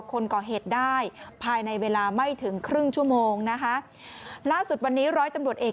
คนก่อเหตุได้ภายในเวลาไม่ถึงครึ่งชั่วโมงนะคะล่าสุดวันนี้ร้อยตำรวจเอก